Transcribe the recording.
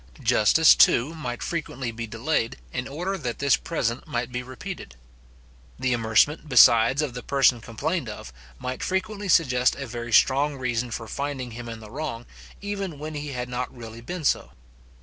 Justice, too, might frequently be delayed, in order that this present might be repeated. The amercement, besides, of the person complained of, might frequently suggest a very strong reason for finding him in the wrong, even when he had not really been so.